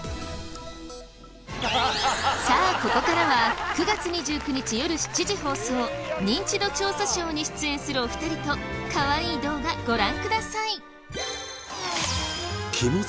さあここからは９月２９日よる７時放送『ニンチド調査ショー』に出演するお二人とかわいい動画ご覧ください。